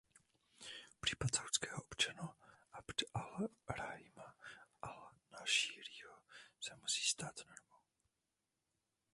Případ saudského občana Abd al-Rahima al-Našírího se musí stát normou.